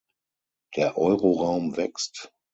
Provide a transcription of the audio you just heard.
Der Euroraum wächst.